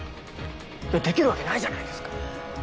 いやできるわけないじゃないですか。